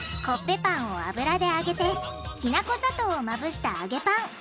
コッペパンを油で揚げてきな粉砂糖をまぶした揚げパン！